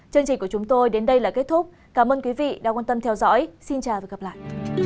chương trình của chúng tôi đến đây là kết thúc cảm ơn quý vị đã quan tâm theo dõi xin chào và hẹn gặp lại